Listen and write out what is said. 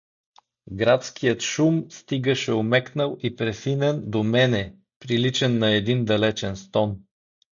Градският шум стигаше омекнал и префинен до мене, приличен на един далечен стон.